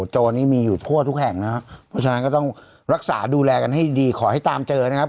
โจรนี้มีอยู่ทั่วทุกแห่งนะครับเพราะฉะนั้นก็ต้องรักษาดูแลกันให้ดีขอให้ตามเจอนะครับ